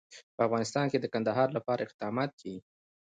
په افغانستان کې د کندهار لپاره اقدامات کېږي.